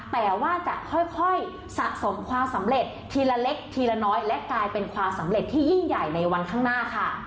แต่ว่าจะค่อยสะสมความสำเร็จทีละเล็กทีละน้อยและกลายเป็นความสำเร็จที่ยิ่งใหญ่ในวันข้างหน้าค่ะ